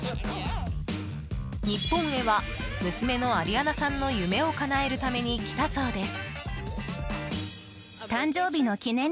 日本へは娘のアリアナさんの夢をかなえるために来たそうです。